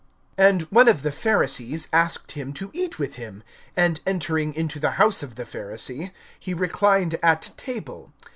(36)And one of the Pharisees asked him to eat with him. And entering into the house of the Pharisee, he reclined at table.